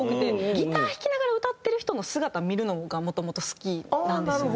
ギター弾きながら歌ってる人の姿見るのがもともと好きなんですよね。